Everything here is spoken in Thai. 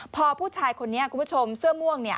พอผู้ชายคนนี้คุณผู้ชมเสื้อม่วงเนี่ย